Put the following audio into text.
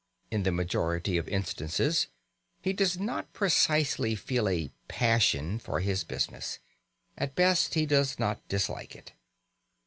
In the majority of instances he does not precisely feel a passion for his business; at best he does not dislike it.